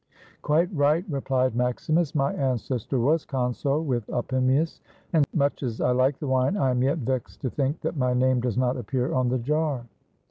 "Quite right," replied Maximus; "my ancestor was consul with Opimius ; and much as I Kke the wine, I am yet vexed to think that my name does not appear on the jar."